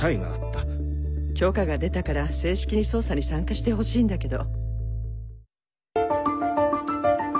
許可が出たから正式に捜査に参加してほしいんだけど。